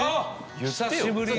久しぶりで。